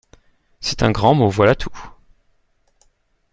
C’est un grand mot, voilà tout.